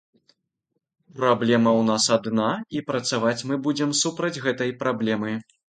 Праблема ў нас адна і працаваць мы будзем супраць гэтай праблемы.